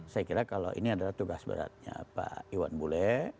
saya kira kalau ini adalah tugas beratnya pak iwan bule